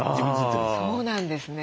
そうなんですね。